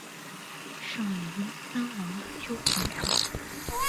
上野英三郎的秋田犬。